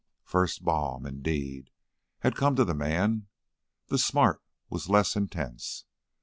First balm, indeed, had come to the man; the smart was less intense.